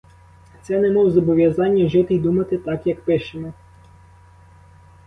Це немов зобов'язання жити й думати так, як пишемо.